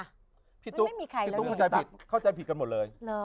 ไม่มีใครแล้วเห็นสักพี่ตุ๊กเข้าใจผิดกันหมดเลย